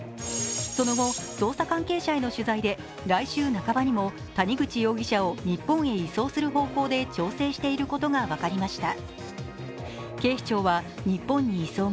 その後、捜査関係者への取材で来週半ばにも谷口容疑者を日本へ移送する方向で調整していることが分かりました。